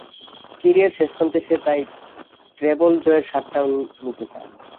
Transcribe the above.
ক্যারিয়ারের শেষ প্রান্তে এসে তাই ট্রেবল জয়ের স্বাদটাও নিয়ে নিতে চান।